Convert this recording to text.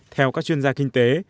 theo các chuyên gia kinh tế